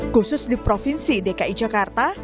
khusus di provinsi dki jakarta